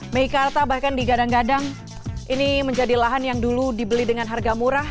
meikarta bahkan digadang gadang ini menjadi lahan yang dulu dibeli dengan harga murah